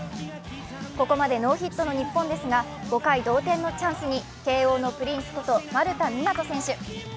ここまでノーヒットの日本ですが５回同点のチャンスに慶応のプリンスこと丸田湊斗選手。